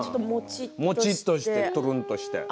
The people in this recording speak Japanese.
もちっとして、プルンとして。